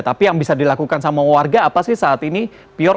tapi yang bisa dilakukan sama warga apa sih saat ini pior